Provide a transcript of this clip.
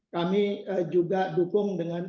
kami juga dukung dengan